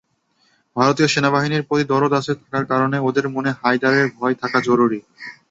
ভারতীয় সেনাবাহিনীর প্রতি দরদ আছে থাকার কারণে, ওদের মনে হায়দারের ভয় থাকা জরুরী।